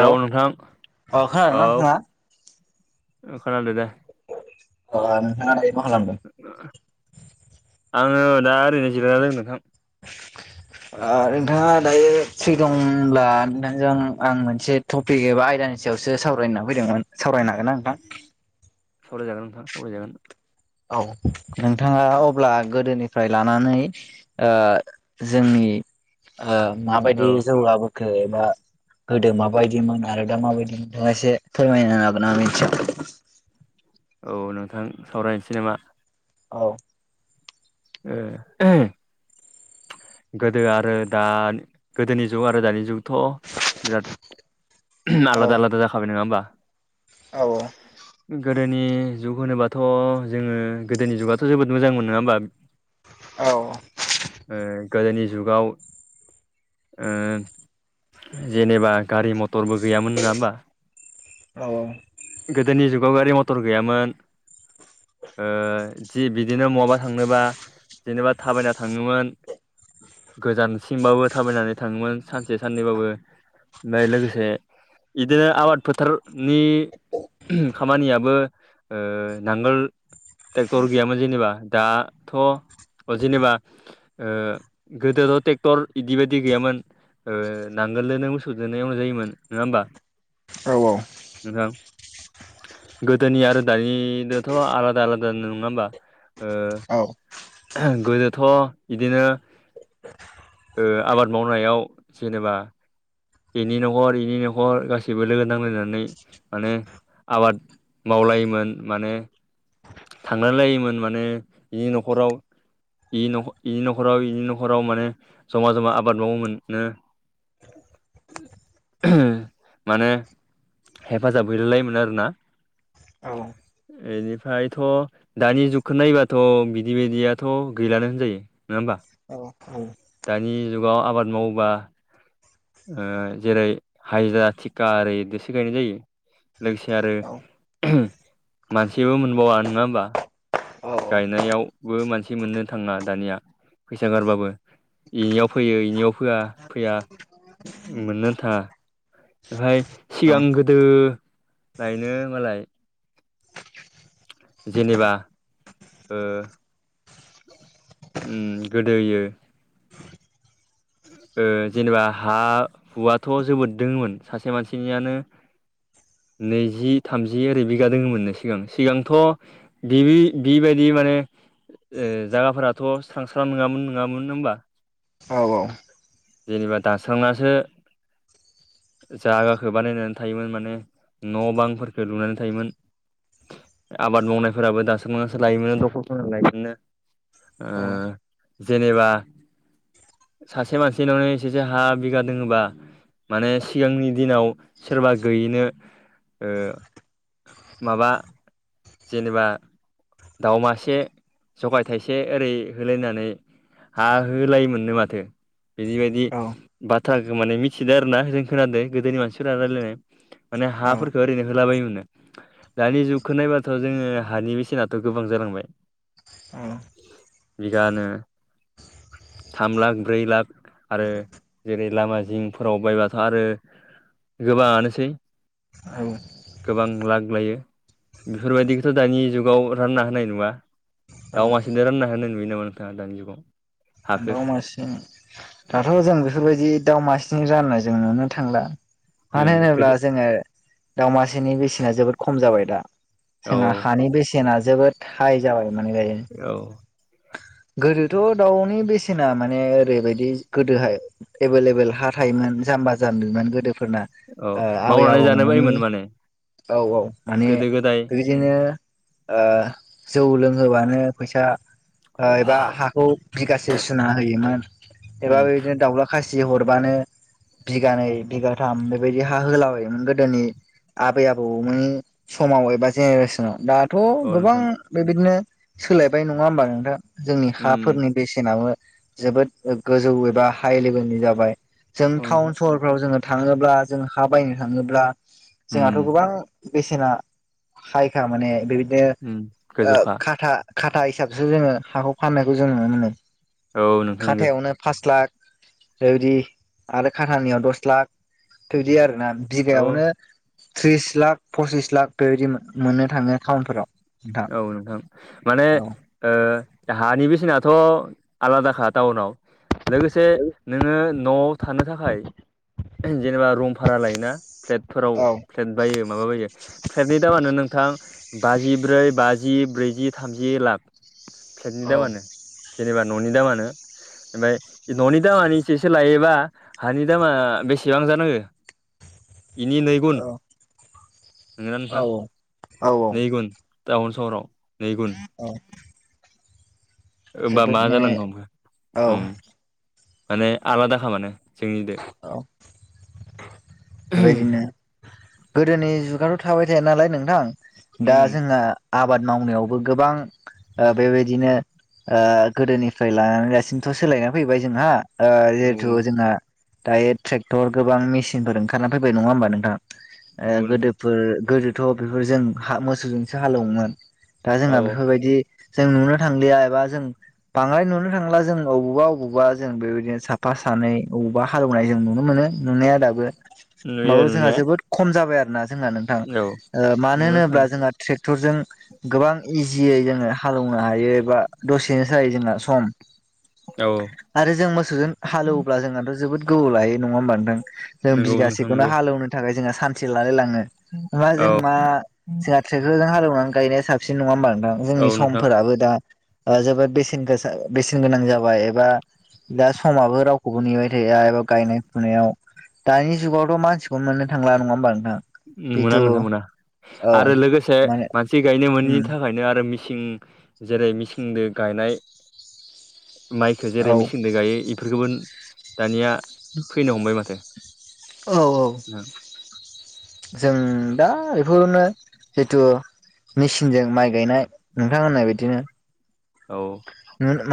Hello नोंथां अ खोनादोंना औ नोंथाङा? ओ खोनादों दे। ओ नोंथाङा दायो मा खालामदों ओ आङो दा ओरैनो जिरायना दं नोंथां। ओ नोंथाङा दायो फ्रि दंब्ला नोंथांजों आं मोनसे टपिक एबा आयदानि सायावसो सावरायना फैदोंमोन सावरायनो हागोना नोंथां सावराय जागोन नोंथां सावराय जागोन। औ नोंथाङा अब्ला गोदोनि फ्राय लानानै ओ जोंनि ओ औ माबादि जौगाबो खो बा गोदो माबायदिमोन आरो दा माबायदिमोन नोंथाङा एसे फोरमायनो हागोन नामा एसे औ‌ नोंथां सावरायनोसै नामा औ ओ‌ ओ गोदो आरो दा गोदोनि जुग आरो दानि जुगाथ' बिराद आलादा आलादा जाखाबाय नङा ओमबा औ औ गोदोनि जुग होनोबाथ' जोङो गोदोनि जुगाथ' जोबोद मोजांमोन नोङा होमबा औ ओ ओ गोदोनि जुगाव ओ जेनेबा गारि म थरबो गैयामोन नेङा होमबा औ गोदोनि जुगाव गारि मटर गैयामोन ओ जि बिदिनो बहाबा थांनोबा जेनेबा थाबायना थाङोमोन गोजानसिमबाबो थाबायनानै थाङोमोन सानसे साननैबाबो ओमफ्राय लोगोसे बिदिनो आबाद फोथार नि खामानियाबो ओ नांगोल ट्रेक्टर गैयामोन जेनेबा दाथ' जेनेबा ओ गोदोथ' ट्रेक्टर बिदि बदि गैयामोन। ओ नांगोलदोंनो मोसौजोंनो हालौनाय जायोमोन नङा होमबा। औऔ नोंथां गोदोनि आरो दानिथ' आलादा आलादा नोङा होमबा औ ओ गोदोथ' बिदिनो ओ आबाद मावनायाव जेनेबा बेनि न'खर बेनि न'खर गासैबो लोगो नांलायनानै माने आबाद मावलायोमोन माने थांलाय लायोमोन माने बिनि न'खराव इनि नखर-इनि न'खराव इनि न'खराव माने जमा जमा आबाद मावो मोनो नो माने हेफाजाब हैलाय लायोमोन आरोना। औ। एनि फ्रायथ' जुगखौ नायबाथ' बिदि बायदियाथ' गैलानो होनजायो नङा होमबा। औ औ दानि जुगाव आबाद मावोबा ओ जेरै हायजिरा थिखा ओरै दोसो गायनाय जायो। लोगोसे आरो मानसिबो मोनबावा नङा होमबा? गायनायावबो मानसि मोननो थाङा दानिया फैसा गारबाबो। इनियाव फैयो इनियाव होआ फैया मोननो थांङा। ओमफ्राय सिगां गोदो लायनो मालाय जेनेबा ओ उम गोदोयो ओ जेनेबा हा हुआथ' जोबोद दोंहोमोन सासे मानसिनियानो नैजि, थामजि ओरै बिघा दोङोमोननो सिगां सिगांथ' बिबि बिबायदि माने ओ जायगाफोराथ' स्रां -स्रां नङामोन नङामोन होमबा। औ औ। जेनेबा दानस्रां नासो जागाखौ बानायनानै थायोमोन माने न' बां फोरफोरखौ लुनानै थायोमोन। आबाद मावनायफोराबो दासोमो सोलायोमोन दखरफोरा लायफिननो। ओ औ जेनेबा सासे मानसिनावनो एसे एसे हा बिघा दोङोबा माने सिगांनि दिनाव सोरबा गैयिनो माबा जेनेबा, दाउ मासे जगाय थाइसे ओरै होलायनानै हा होलायोमोननो माथो बिदि बायदि औ बाथ्रा गोमानाय मिथिदों आरोना जों खोनादों गोदोनि मानसिफोरा रायलायनाय माने हाफोरखौ ओरैनो होलाबायो मोननो। दानि जुगखौ नायबाथ' जोङो हानि बेसेनाथ' गोबां जालांबाय। औ। बिघानो थाम लाख ब्रै लाख आरो जेरै लामा जिंफोराव बायबाथ' आरो गोबाङानोसै। औ। गोबां लाग लायो बेफोरबायदिखौथ' दानि जुगाव रानना होनाय नुवा। औ दाव मासेजों रानना होनना नुयो नामा नोंथाङा दानि जुगाव। हाखो दाव मासे दाथ' जों बेफोरबायदि दाव मासेजों राननाय जों नुनो थांला। ओ मानो होनोब्ला गोदो जोङो दावमासेनि बेसेना जोबोद खम जाबाय दा। औ जोंहा हानि बेसेना जोबोद हाइ जाबाय माने दायो। औ गोदोथ' दाउनि बेसेना माने ओरैबायदि गोदोहाय। एभलएभल हा थायोमोन जाम्बा जामबिमोन गोदोफोरना। औ ओ आबै मावनानै आबौ जानो माने बायोमोन औ औ माने गोदो गोदाय रि बिदिनो ओ जौ लोंहोबानो फैसा। ओ एबा हाखौ बिघासे सुना होयोमोन एबा उम बिदिनो दाउला खासि हरबानो बिघानै बिघाथाम बेबायदि हा होलाबायोमोन गोदोनि। आबै आबौ मोन समाव एबा जेनेरेसनाव दा। थ' औ गोबां नोंथां बेबायदिनो सोलायबाय नङा होमबा नोंथां जोंनि उम हाफोरनि। सेनाबो जोबोद गोजौ एबा हाइ लेभेलनि जाबाय जों औ टाउन नोंथां सहर। फोराव जोङो थाङोब्ला जोङो हा बायनो थाङोब्ला उम जोंहाथ' गोबां। बेसेना हायखा माने उम बेबायदिनो गोजौखा खाथा खाथा हिसाबसो जोंङो हाखौ फाननायखौ जों नुनो मोनो औ नोंथां नंगौ खाथायावनो पास लाख बेबायदि आरो खाटानियाव दस लाख थबायदि आरोना। औ बिगायावनो त्रिस लाख पसिस लाख बेबायदि मोननो थाङो टाउनफोराव औ नोंथां माने औ ओ हानि बेसेनाथ' आलादाखा टाउनाव लोगो से नोंङो न'आव थानो थाखाय जेनेबा रुम भारा लायोना फ्लेटफोराव औ प्लेट बायो माबा बायो प्लेटनि दामानो नोंथां बाजिब्रै बाजि ब्रैजि थामजि लाख फलेटनि औ दामानो जेनेबा न'नि दामानो। ओमफ्राय न'नि दामानि एसेसो लायोबा हानि दामा बेसेबां जानाङो औ नंगोना औ नोंथां औ नै औ गुन टाउन सहराव नैगुन औ होमबा जोबोद मा माने जालांनो औ हमो माने आलादाखा माने जोंनि दो औ बेबायदिनो गोदोनि जुगाथ' थाबाय थाया नालाय नोंथां दा उम जोंहा आबाद मावनायावबो गोबां बेबायदिनो गोदोनिफ्राय लानानै दासिमथ' सोलायना फैबाय जोंहा ओ नंगौ जिहेथु जोंहा दायो ट्रेक्टर गोबां मेसिनफोर ओंखारना फैबाय नङा होमबा नोंथां ओ नंगौ नोंथां गोदोफोर गोदोथ' बेफोरजों मोसौजोंसो हालेवोमोन दा औ जोंहा बेफोरबायदि जों नुनो थांलिया एबा जों बांद्राय नुनो थांला जों बबावबा अबेावबा जों बेबायदिनो साफा सानै बबावबा हालेवनाय जों नुनो मोनो। नुनाया दाबो नुयो माबो जोंहा नुनाया जोबोद खम जाबाय आरो जोंना औ ओ मानो नुनो थां होनोब्ला जोंना ट्रेक्टरजों गोबां इजियै जोंङो हालेवनो हायो बा दसेनोजायो जोंना सम औ आरो जों मोसौजों हालेवोब्ला जोंनाथ' जोबोद गोबौ लायो नङा होमबा नोंथां जों नंगौ बिगासे नोंथां नंगौ हालौनो थाखाय जोंङो आ सानसे लालाय लाङो होमबा औ जों मा जोंहा ट्रेक्टरजों हालेवनानै गायनाया साबसिन नङा होमबा नोंथां जोंनि औ नोंथां समफोराबो दा जोबोद बेसेन गोसा बेसेन गोनां जाबाय एबा दा समाबो रावखौबो नेबाय थाया एबा गायनाय फुनायाव दानि जुगावथ' मानसिखौ मोननो थांला नङा होमबा नोंथां नुनो मोना जिथु नोंथां मोना औ आरो लोगोसे माने मानसि गायनो मोनि उम था खायनो आरो मिसिं जेरै मिसिंजों गायनाय माइखो जेरै औ मेसिंजों गायो इफोरखौबो दानिया [inaudible] फैनो हमबाय माथो औ औ [inaudible] जों दा इफोरनो जिथु मेचिनजों माइ गायनाय नोंथां होननाय बादिनो औ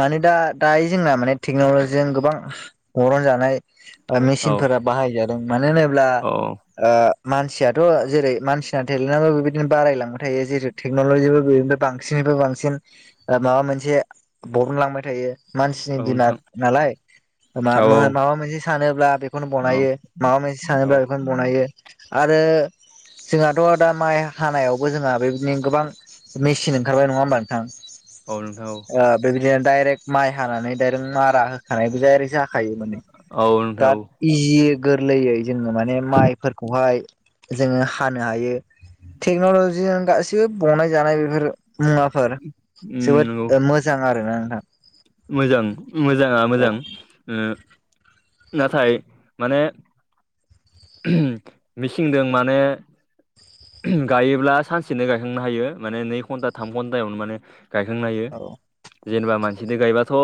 माने दा दायो जोंना माने टेक्न'लजिजों गोबां अरन जानाय ओ औ मेचिनफोरा बाहायजादों मानो होनोब्ला औ ओ मानसियाथ' जेरै मानसिना थेलेन्टआबो बेबायदिनो बारायलांबाय थायो जेरै टेक्न'लजि बेनिफ्राय बांसिननिफ्राय बांसिन ओ माबा मोनसे बरनलांबाय थायो मानसिनि औ दिमाग नोंथां नालाय मा औ माबा मोनसे सानोब्ला बेखौनो औ बनायो माबा मोनसे सानोब्ला औ बेखौनो बनायो आरो जोंहाथ' दा माइ हानायावबो जोंहा बेबायदिनो गोबां मेचिन ओंखारबाय नङा होमबा नोंथां। औ नोंथां औ ओ बेबायदिनो दायरेक माइ हानानै दायरेक मारा होखानायबो दायरेक जा खायो माने औ नोंथां दा औ इजियै गोरलैयै जोङो माने माइफोरखौहाय जोङो हानो हायो। टेक्न'ल'जिजों गासैबो बनाय जानाय बेफोर मुवाफोर उम जोबोद नंगौ ओ मोजां आरोना नोंथां। मोजां मोजाङा औ मोजां ओ नाथाय माने मिसिंदो माने गायोब्ला सानसेनो गायखांनो हायो माने नै घन्टा थाम घन्टायावनो माने गायखांनो हायो औ जेनेबा मानसिदो गायबाथ'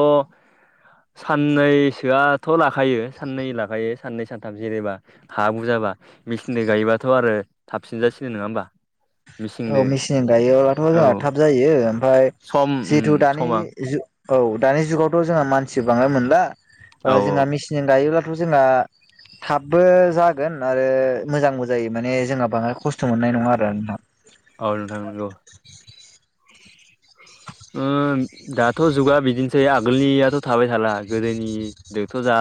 साननैसोआथ' लाखायो सानै लाखायो सानै सानथाम जेनेबा हा बुजाबा मिसिनदो गायोबाथ' आरो थाबसिनजासिनो नङा होमबा। औ मेचिनजों मेसिन गायोब्लाथ' औ जोहा थाब जायो ओमफाय सम उम जिहेथु दानि समा जु औ दानि जुगावथ' जोंहा मानसि बांङाय मोनला औ ओ जोंहा मेसिनजों गायोब्लाथ' जोंहा थाबबो जागोन आरो मोजांबो जायो माने जोंहा बांङाय खस्थ' मोननाय नङा आरो नोंथां। औ नोंथां नंगौ। ओं दाथ' जुगा बिदिनोसै आगोलनियाथ' थाबाय थाला गोदोनि दोथ' जा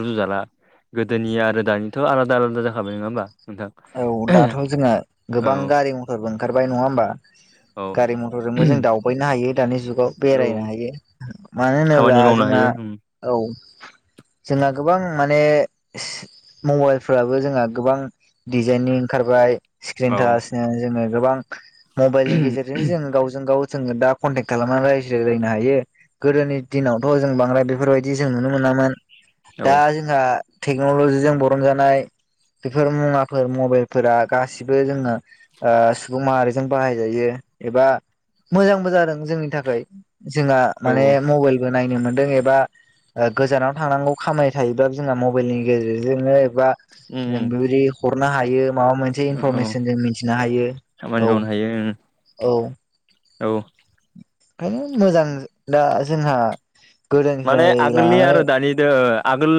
रुजु जाला गोदोनि आरो दानिथ' आलादा आलादा जाखाबाय नङा होमबा। नोंथां औ दाथ' जोंङा गोबां औ गारि मथरबो ओंखारबाय नङा होमबा। औ गारि मथरजोंबो जों दावबायनो हायो दानि जुगाव औ बेरायनो हायो। मानो होनोब्ला खामानि मावनो जोंङा हायो औ जोंहा गोबां माने मबाइलफ्राबो जोंहा गोबां डिजाइनि ओंखारबाय स्क्रिन औ टाच जोङो गोबां मबाइलनि गेजेरजों जों गावजों गाव जोङो दा कनटेक्ट खालामनानै रायज्लायलायनो हायो। गोदोनि दिनावथ' जों बांद्राय बेफोरबायदि जों नुनो मोनामोन। औ दा जोंहा टेक्न'लजिजों बरन जानाय बेफोर मुवा फोर मबाइल फोरा गासिबो जोङो ओ सुबुं माहारिजों बाहायजायो एबा मोजांबो जादों जोंनि थाखाय जोंहा माने औ मबाइलबो नायनो मोनदों एबा ओ गोजानाव थांनांगौ खामाय थायोब्ला जोंहा मबाइलनि गेजेरजोंनो एबा जों बेबायदि हरनो हायो। माबा मोनसे इनफरमेसन जों मिथिनो हायो। खामानि औ मावनो हायो औ औ ओंखायनो मोजां दा जोंहा। माने गोदोनिफ्राय आगोलनि लानानै आरो दानिदो आगोल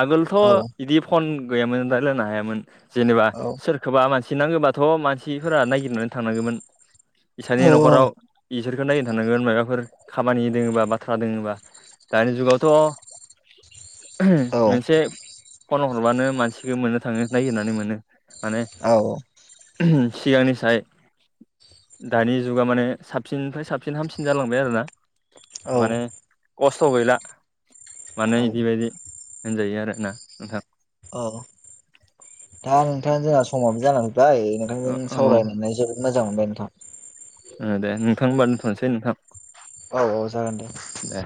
आगोलथ' औ बिदि फन गैयामोन राय्लायनो हायामोन जेनेबा औ सोर सोरबा मानसि नांगौबाथ' मानसिफोरा नायागिरनानै थांनांगौमोन औ बिसानि न'खराव बिसोरखौ नायनो थानांगोन माबाफोर खामानि दोङबा बाथ्रा दोङोबा। दानि जुगावथ' [inaudible] औ मोनसे फन हरबानो मानसिखौ मोननो थाङो नागिरनानै मोनो माने औ [inaudible] सिगांनि साय दानि जुगा माने साबसिननिफ्राय साबसिन हामसिन जालांबाय आरो ना। औ माने खस्थ' गैला माने औ बिदिबायायदि होनजायो आरो ना नोंथां। औ दा नोंथाङा जोंहा समाबो जालांबाय नोंथांजों औ सावरायनानै जोब मोजां मोनबाय नोंथां ओ दे नोंथां होनबा दोनथ'नोसै औ औ जागोन दे ए